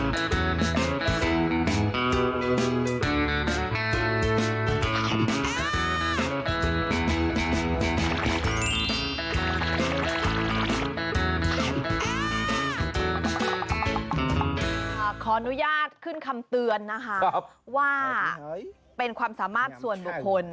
ขออนุญาตขึ้นคำเตือนนะคะว่าเป็นความสามารถส่วนบุคคล